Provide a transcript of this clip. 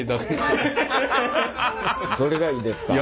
どれがいいですか？